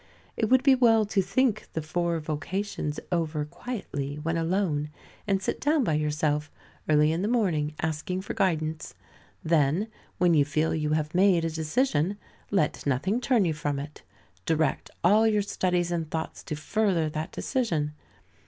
It would be well to think the four vocations over quietly, when alone, and sit down by yourself early in the morning asking for guidance. Then, when you feel you have made a decision, let nothing turn you from it. Direct all your studies and thoughts to further that decision.